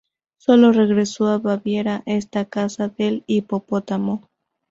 Solo regresó a Baviera esta "Caza del hipopótamo".